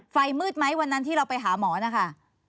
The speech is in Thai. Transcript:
ไฟมืดไหมวันนั้นที่เราไปหาหมอนะคะ